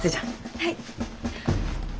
はい。